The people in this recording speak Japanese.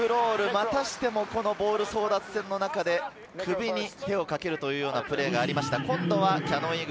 またしてもボール争奪戦の中で、首に手をかけるプレーがありました。